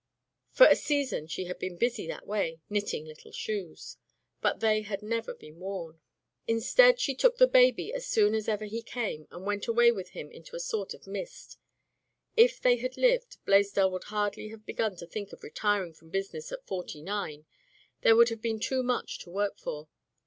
For a season she had been busy in that way, knitting little shoes. But they had never been worn. Instead she [ 326 ] Digitized by LjOOQ IC Turned Out to Grass took the baby as soon as ever he came and went away with him into a sort of mist. If they had lived, Blaisdell would hardly have begun to think of retiring from business at forty nine; there would have been too much to work for.